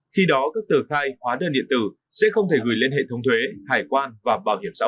khi đó các tờ khai hóa đơn điện tử sẽ không thể gửi lên hệ thống thuế hải quan và bảo hiểm xã hội